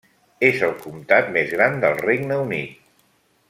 És el comtat més gran del Regne Unit.